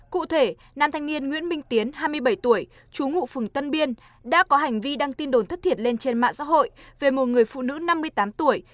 cụ thể nam thanh niên nguyễn minh tiến hai mươi bảy tuổi chú ngụ phường tân biên đã có hành vi đăng tin đồn thất thiệt lên trên mạng xã hội về một người phụ nữ năm mươi tám tuổi